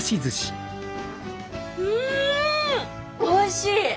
おいしい！